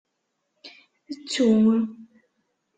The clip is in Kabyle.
Ttu!